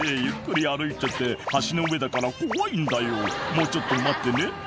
もうちょっと待ってね」